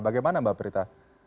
bagaimana mbak prita